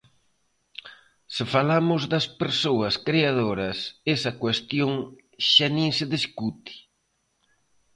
Se falamos das persoas creadoras, esa cuestión xa nin se discute.